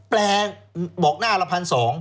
แปลบอกหน้าละพันสอง